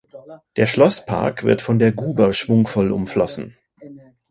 Der Schlosspark wird von der Guber schwungvoll umflossen.